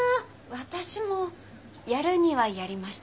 私もやるにはやりましたけど。